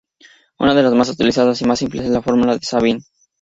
Una de las más utilizadas y más simples es la fórmula de Sabine.